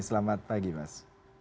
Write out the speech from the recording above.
selamat pagi mas